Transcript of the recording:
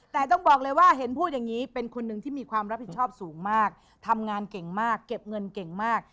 แต่ต้องบอกเลยว่าเห็นพูดอย่างนี้เป็นคนหนึ่งที่มีความรับผิดชอบสูงมากทำงานเก่งมากเก็บเงินเก่งมาก